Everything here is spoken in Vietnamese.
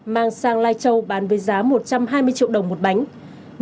mang sang lai châu bán với giá một trăm hai mươi triệu đồng một bánh